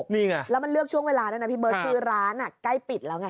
นี่ไงแล้วมันเลือกช่วงเวลาด้วยนะพี่เบิร์ตคือร้านใกล้ปิดแล้วไง